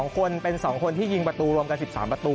๒คนเป็น๒คนที่ยิงประตูรวมกัน๑๓ประตู